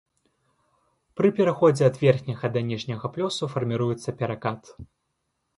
Пры пераходзе ад верхняга да ніжняга плёсу фарміруецца перакат.